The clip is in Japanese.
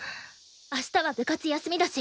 あしたは部活休みだし